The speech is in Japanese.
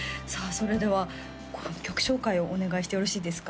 それでは曲紹介をお願いしてよろしいですか？